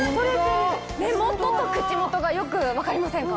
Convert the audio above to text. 目元と口元がよく分かりませんか？